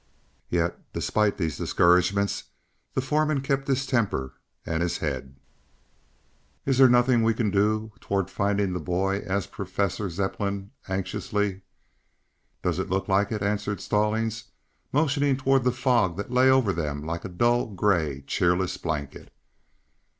Yet, despite these discouragements, the foreman kept his temper and his head. "Is there nothing we can do toward finding the boy?" asked Professor Zepplin anxiously. "Does it look like it?" answered Stallings, motioning toward the fog that lay over them like a dull, gray, cheerless blanket.